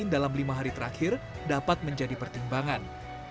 dalam lima hari terakhir dapat menjadi pertimbangan